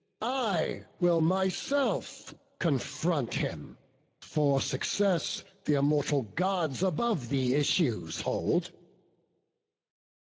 I will myself confront him; for success, Th' immortal Gods above the issues hold."